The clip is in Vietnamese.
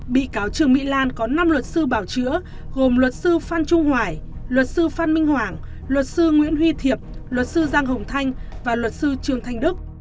bị cáo trương mỹ lan có năm luật sư bảo chữa gồm luật sư phan trung hoài luật sư phan minh hoàng luật sư nguyễn huy thiệp luật sư giang hồng thanh và luật sư trương thanh đức